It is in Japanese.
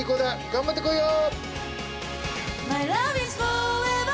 頑張ってこいよ！